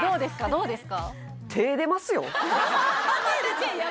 どうですか？